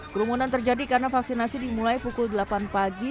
kerumunan terjadi karena vaksinasi dimulai pukul delapan pagi